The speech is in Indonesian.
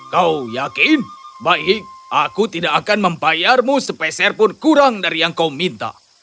kau yakin baik aku tidak akan membayarmu sepeser pun kurang dari yang kau minta